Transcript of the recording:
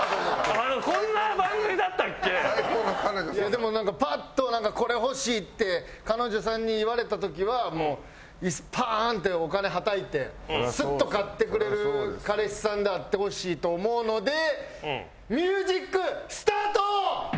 でもなんかパッとこれ欲しいって彼女さんに言われた時はもうパーンってお金はたいてスッと買ってくれる彼氏さんであってほしいと思うのでミュージックスタート！